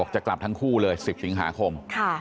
จะกลับทั้งคู่เลย๑๐สิงหาคม